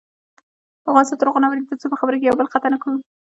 افغانستان تر هغو نه ابادیږي، ترڅو په خبرو کې یو بل قطع نکړو.